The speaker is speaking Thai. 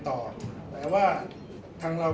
ก็จะเสียชีวิตโดย